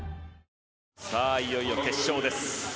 いよいよ決勝です。